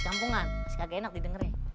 kampungan kagak enak didengernye